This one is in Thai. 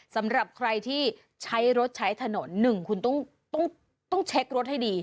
สำหรับใครที่ใช้รถใช้ถนนหนึ่งคุณต้องเช็ครถให้ดี